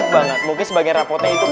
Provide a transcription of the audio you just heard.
yaudah yuk assalamualaikum